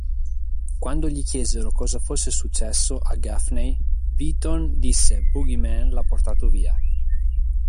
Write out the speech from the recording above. Quando gli chiesero cosa fosse successo a Gaffney, Beaton disse "Boogeyman l'ha portato via".